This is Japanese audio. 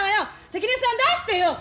関根さん出してよ！